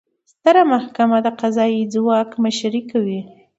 ستره محکمه د قضایي ځواک مشري کوي